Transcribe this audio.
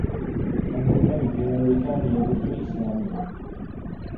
ئەنجومەنی پەیوەندییەکانی یەکگرتووی ئیسلامی